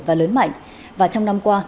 và lớn mạnh và trong năm qua